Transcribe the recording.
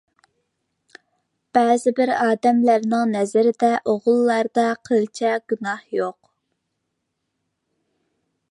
بەزىبىر ئادەملەرنىڭ نەزىرىدە ئوغۇللاردا قىلچە گۇناھ يوق.